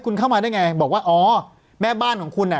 คุณเข้ามาได้ไงบอกว่าอ๋อแม่บ้านของคุณอ่ะ